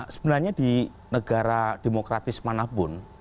sebenarnya di negara demokratis manapun